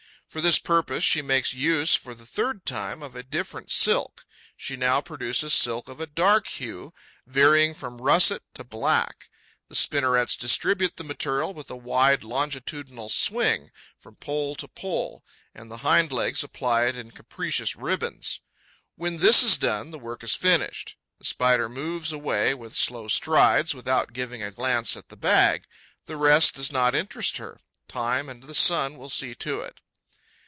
For this purpose, she makes use, for the third time, of a different silk; she now produces silk of a dark hue, varying from russet to black. The spinnerets distribute the material with a wide longitudinal swing, from pole to pole; and the hind legs apply it in capricious ribbons. When this is done, the work is finished. The Spider moves away with slow strides, without giving a glance at the bag. The rest does not interest her: time and the sun will see to it.